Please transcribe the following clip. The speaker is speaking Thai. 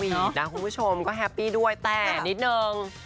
นะคุณผู้ชมก็แฮปปี้ด้วยแต่นิดนึง